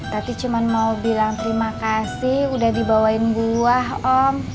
tadi cuma mau bilang terima kasih udah dibawain buah om